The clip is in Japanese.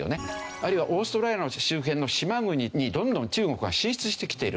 あるいはオーストラリアの周辺の島国にどんどん中国が進出してきている。